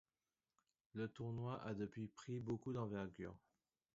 Le tournoi a depuis pris beaucoup d'envergure.